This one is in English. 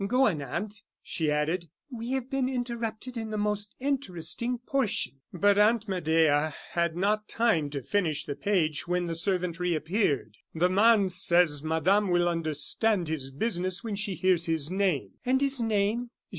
Go on, aunt," she added; "we have been interrupted in the most interesting portion." But Aunt Medea had not time to finish the page when the servant reappeared. "The man says Madame will understand his business when she hears his name." "And his name?"